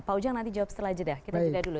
pak ujang nanti jawab setelah jedah kita tidur dulu